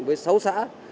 với sáu xã